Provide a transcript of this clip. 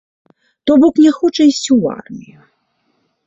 То бок, не хоча ісці ў армію.